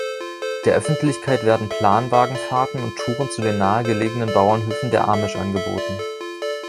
Der Öffentlichkeit werden Planwagenfahrten und Touren zu den nahe gelegenen Bauernhöfen der Amish angeboten.